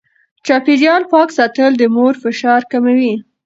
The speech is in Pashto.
چاپېريال پاک ساتل د مور فشار کموي.